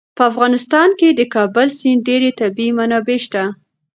په افغانستان کې د کابل سیند ډېرې طبعي منابع شته.